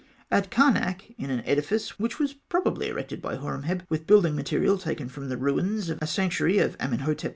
At Karnak, in an edifice which was probably erected by Horemheb with building material taken from the ruins of a sanctuary of Amenhotep II.